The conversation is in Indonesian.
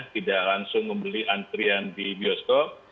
tidak langsung membeli antrian di bioskop